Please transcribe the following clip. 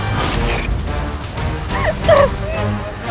tapi siapa dia